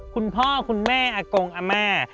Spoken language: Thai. คุณพ่อคุณแม่อักลกอัมแม่